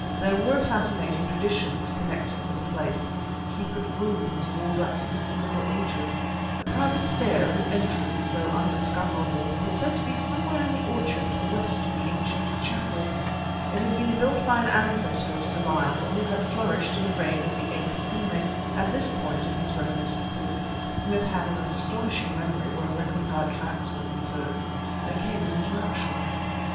There were fascinating traditions connected with the place; secret rooms walled up since the Middle Ages, a private stair whose entrance, though undiscoverable, was said to be somewhere in the orchard to the west of the ancient chapel. It had been built by an ancestor of Sir Lionel who had flourished in the reign of the eighth Henry. At this point in his reminiscences (Smith had an astonishing memory where recondite facts were concerned) there came an interruption.